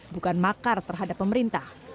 bukan makar terhadap pemerintah